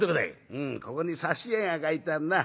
「うんここに挿絵が描いてあんな。